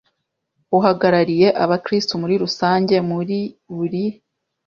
Uhagarariye abakristo muri rusange muri buri